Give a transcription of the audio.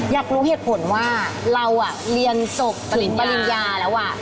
อยากรู้เหตุผลว่าเราเรียนจบปริญปริญญาแล้ว